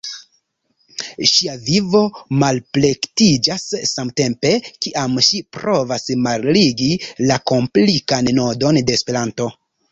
Ŝia vivo malplektiĝas samtempe kiam ŝi provas malligi la komplikan nodon de Esperanto.